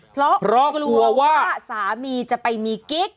เพราะกลัวว่าสามีจะไปมีกิ๊ก